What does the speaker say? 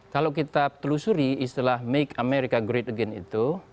kalau kita telusuri istilah make america great again itu